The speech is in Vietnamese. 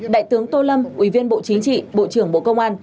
đại tướng tô lâm ủy viên bộ chính trị bộ trưởng bộ công an